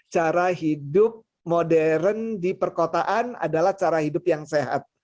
cara hidup modern di perkotaan adalah cara hidup yang sehat